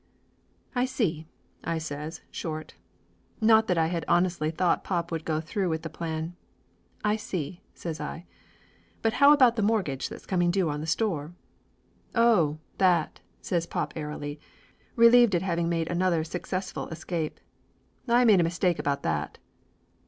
"I see!" I says, short. Not that I had honestly thought pop would go through with the plan. "I see," says I. "But how about the mortgage that's coming due on the store?" "Oh, that !" says pop airily, relieved at having made another successful escape. "I made a mistake about that!"